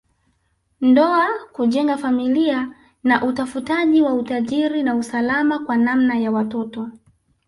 Ndoa kujenga familia na utafutaji wa utajiri na usalama kwa namna ya watoto